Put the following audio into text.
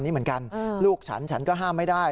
นี้เหมือนกันลูกฉันฉันก็ห้ามไม่ได้